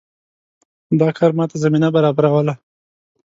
دا کار ماته زمینه برابروله.